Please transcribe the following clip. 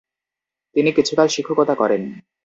তিনি কিছুকাল শিক্ষকতা করেন।